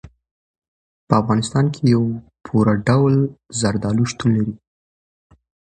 په افغانستان کې په پوره ډول زردالو شتون لري.